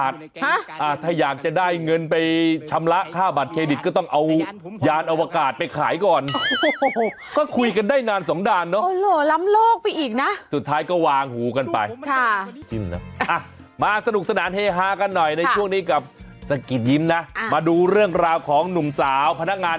สกิดยิ้มนะมาดูเรื่องราวของหนุ่มสาวพนักงาน